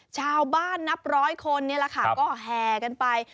ชาวบ้านนับร้อยคนนี่แหละค่ะก็แห่กันไป